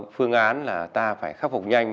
phương án là ta phải khắc phục nhanh